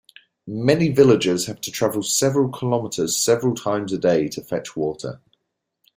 Many villagers have to travel several kilometres several times a day to fetch water.